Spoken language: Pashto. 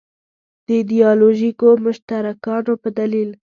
د ایدیالوژیکو مشترکاتو په دلیل.